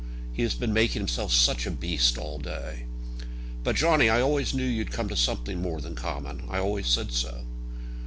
He has been making himself such a beast all day. But, Johnny, I always knew you'd come to something more than common. I always said so."